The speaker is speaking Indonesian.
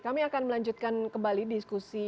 kami akan melanjutkan kembali diskusi